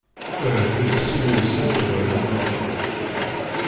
Ahat akka sin n wussan ad ɛeddiɣ axxam.